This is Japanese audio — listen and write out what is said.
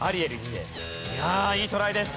いやあいいトライです。